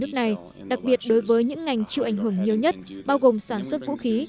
nước này đặc biệt đối với những ngành chịu ảnh hưởng nhiều nhất bao gồm sản xuất vũ khí